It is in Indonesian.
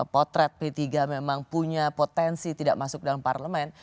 potret p tiga memang punya potensi tidak masuk dalam parlemen